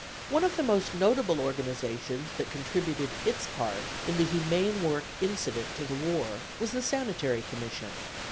One of the most notable organizations that contributed its part in the humane work incident to the war was the Sanitary Commission.